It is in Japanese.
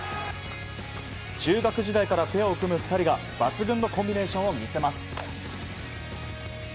中学時代からペアを組む２人が抜群のコンビネーションを見せます。